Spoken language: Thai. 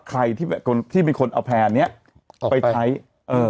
ใครที่แบบคนที่เป็นคนเอาแพร่เนี้ยไปใช้เออ